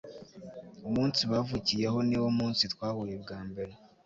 umunsi bavukiyeho niwo munsi twahuye bwa mbere